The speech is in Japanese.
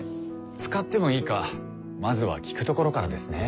使ってもいいかまずは聞くところからですね。